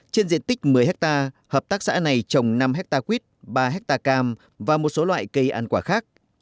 trên diện tích một mươi hectare hợp tác xã này trồng năm hectare quýt ba hectare cam và một số loại cây ăn quả khác